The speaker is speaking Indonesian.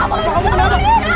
eva di rumah sakit mas